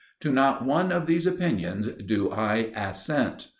To not one of these opinions do I assent.